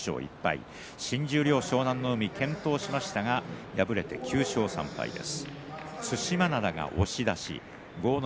新十両湘南乃海健闘しましたけども９勝３敗です。